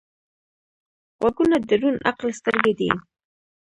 غوږونه د روڼ عقل سترګې دي